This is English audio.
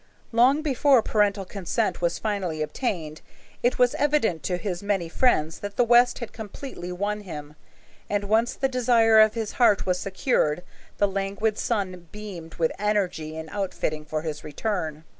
Long before parental consent was finally obtained, it was evident to his many friends that the West had completely won him; and once the desire of his heart was secured, the languid son beamed with energy in outfitting for his return.